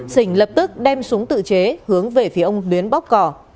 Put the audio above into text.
sình lập tức đem súng tự chế hướng về phía ông luyến bóc cỏ